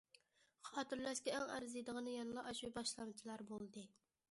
خاتىرىلەشكە ئەڭ ئەرزىيدىغىنى يەنىلا ئاشۇ باشلامچىلار بولدى.